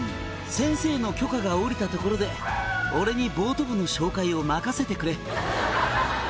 「先生の許可が下りたところで俺にボート部の紹介を任せてくれ」